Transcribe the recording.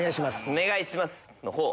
お願いします。